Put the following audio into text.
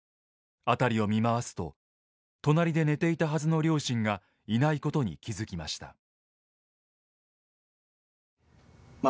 辺りを見回すと隣で寝ていたはずの両親がいないことに気付きました。